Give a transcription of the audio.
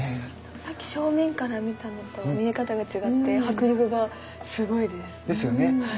さっき正面から見たのと見え方が違って迫力がすごいです。ですよね。